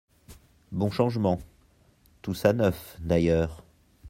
Bons changements ; tout ça neuf, d’ailleurs.